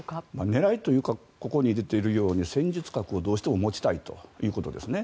狙いというかここに出ているように戦術核をどうしても持ちたいということですね。